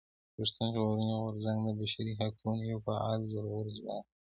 پښتون ژغورني غورځنګ د بشري حقونو يو فعال زورور ځواک دی.